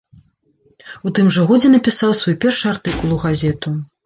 У тым жа годзе напісаў свой першы артыкул у газету.